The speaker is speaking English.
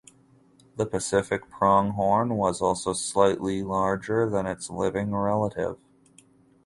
The Pacific pronghorn was also slightly larger than its living relative.